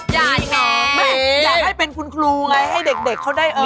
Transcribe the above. อย่าไอ้น้องเอดไม่อย่าให้เป็นคุณครูไงให้เด็กเขาได้เอ่อ